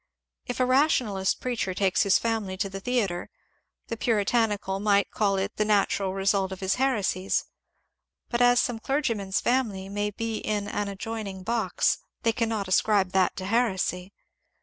If a rationalist preacher takes his family to the theatre, the puritanical might call it the natural result of his heresies ; but as some clergyman's family may be in an ad joining box they cannot ascribe that to heresy.